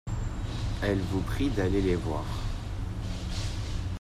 Elles vous prient d'aller les voir.